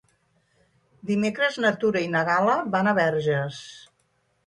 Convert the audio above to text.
Dimecres na Tura i na Gal·la van a Verges.